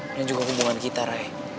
ini juga hubungan kita rai